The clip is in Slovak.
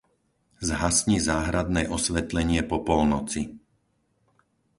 Zhasni záhradné osvetlenie po polnoci.